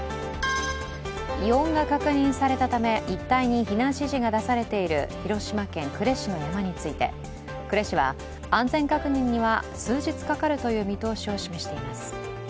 異音が確認されたため一帯に避難指示が出されている広島県呉市の山について呉市は安全確認には数日かかるという見通しを示しています。